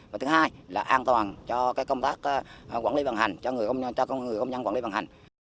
và thứ hai là an toàn cho công tác quản lý vận hành cho người công nhân quản lý vận hành